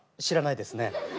知らないですね。